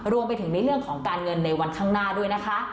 รวมไปถึงในเรื่องของการเงินในวันข้างหน้าด้วยนะคะ